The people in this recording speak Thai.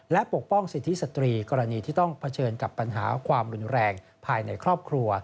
และปกป้องสิทธิสตรีกรณีที่ต้องเผชิญกับปัญหาความรุนแรงภายในครอบครัว